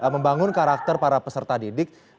membangun karakter para peserta didik